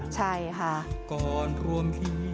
ใช่ฮะ